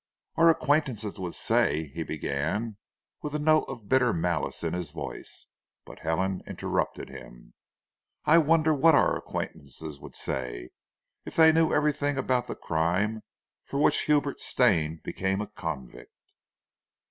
"Our acquaintances would say " he began, with a note of bitter malice in his voice, but Helen interrupted him. "I wonder what our acquaintances would say if they knew everything about the crime for which Hubert Stane became a convict?"